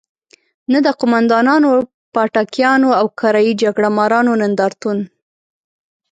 نه د قوماندانانو، پاټکیانو او کرايي جګړه مارانو نندارتون.